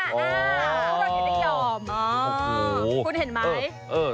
คุณเห็นไหม